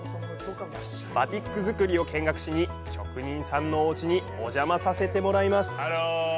バティック作りを見学しに職人さんのお家にお邪魔させてもらいます。